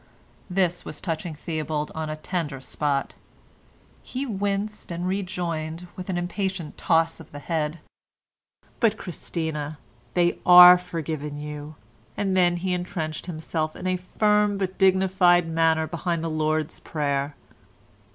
This was touching Theobald on a tender spot; he winced and rejoined with an impatient toss of the head, "But, Christina, they are forgiven you"; and then he entrenched himself in a firm but dignified manner behind the Lord's prayer.